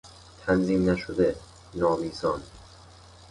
تنظیم نشده، نامیزان